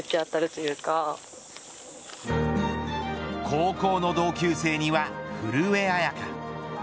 高校の同級生には古江彩佳。